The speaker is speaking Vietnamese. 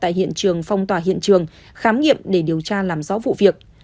tại hiện trường phong tỏa hiện trường khám nghiệm để điều tra làm rõ vụ việc